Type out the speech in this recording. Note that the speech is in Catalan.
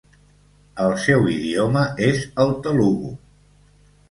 El seu idioma és el telugu.